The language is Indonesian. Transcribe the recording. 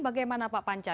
bagaimana pak panca